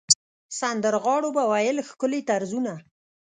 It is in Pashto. سندرغاړو به ویل ښکلي طرزونه.